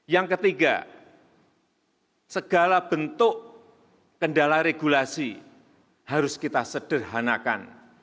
yang ketiga segala bentuk kendala regulasi harus kita sederhanakan